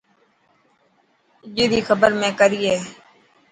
اڄ ري خبر ۾ ڪئي هي؟